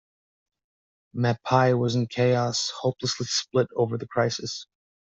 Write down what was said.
Mapai was in chaos, hopelessly split over the crisis.